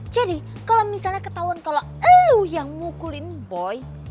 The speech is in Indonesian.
jadi kalau misalnya ketahuan kalau lo yang mukulin boy